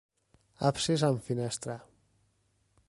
Absis amb finestra.